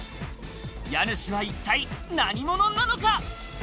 家主は一体何者なのか？